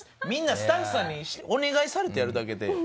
みんなスタッフさんにお願いされてやるだけで。